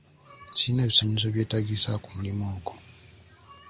Sirina bisaanyizo byetaagisa ku mulimu ogwo.